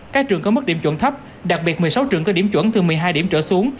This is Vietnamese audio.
các trường có mức điểm chuẩn thấp đặc biệt một mươi sáu trường có điểm chuẩn từ một mươi hai điểm trở xuống